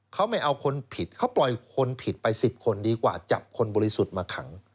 เขาไม่เอาคนผิดเขาปล่อยคนผิดไป๑๐คนดีกว่าจับคนบริสุทธิ์มาขัง